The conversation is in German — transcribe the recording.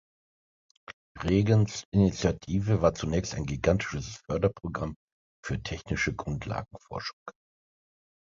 Reagans Initiative war zunächst ein gigantisches Förderprogramm für technische Grundlagenforschung.